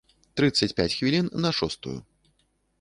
Трыццаць пяць хвілін на шостую.